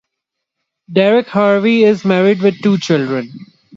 Derek Harvie is married with two children.